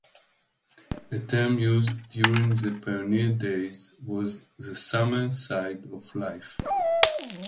A term used during the pioneer days was the summer side of life.